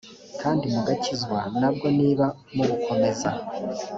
kandi mugakizwa na bwo niba mubukomeza